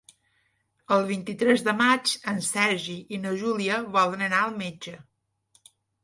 El vint-i-tres de maig en Sergi i na Júlia volen anar al metge.